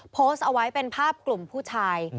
โพสต์เอาไว้เป็นภาพกลุ่มผู้ชาย